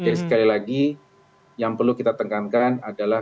jadi sekali lagi yang perlu kita tengankan adalah